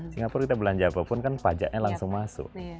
singapura kita belanja apapun kan pajaknya langsung masuk